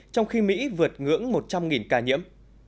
trong khi mỹ vượt ngưỡng một trăm linh ca nhiễm